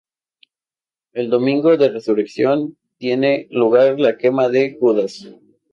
El Domingo de Resurrección tiene lugar la Quema del Judas.